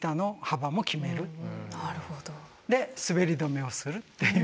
ですべり止めをするっていう。